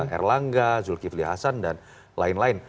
erlangga zulkifli hasan dan lain lain